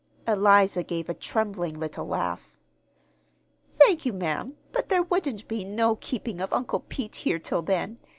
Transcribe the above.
Eliza gave a trembling little laugh. "Thank you, ma'am; but there wouldn't be no keepin' of Uncle Pete here till then.